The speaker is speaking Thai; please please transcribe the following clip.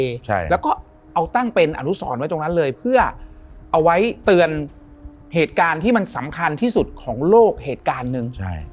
ใช่แล้วก็เอาตั้งเป็นอนุสรไว้ตรงนั้นเลยเพื่อเอาไว้เตือนเหตุการณ์ที่มันสำคัญที่สุดของโลกเหตุการณ์หนึ่งใช่